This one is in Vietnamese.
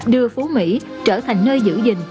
đưa phú mỹ trở thành nơi giữ gìn